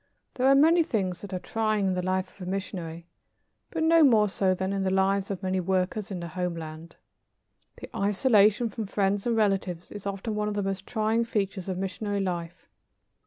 There are many things that are trying in the life of a missionary, but no more so than in the lives of many workers in the homeland. The isolation from friends and relatives is often one of the most trying features of missionary life.